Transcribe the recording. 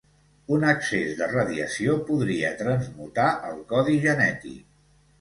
Un excés de radiació podria transmutar el codi genètic.